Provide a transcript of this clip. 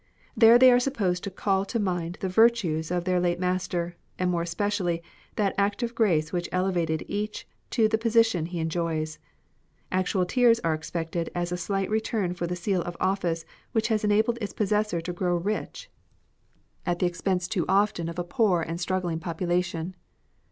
There they are supposed to call to mind the virtues of their late master, and more especially that act of grace which elevated each to the position he enjoys. Actual tears are expected as a slight return for the seal of office which has enabled its possessor to grow rich at the expense too often of THE DEATH OF AN EMPEROR. a poor and struggling population.